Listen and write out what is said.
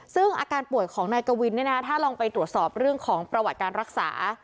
ซึ่งอาการป่วยของนายกวินถ้าลองไปตรวจสอบเรื่องของประวัติการรักษา